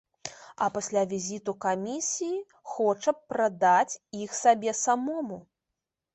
А пасля візіту камісіі хоча прадаць іх сабе самому.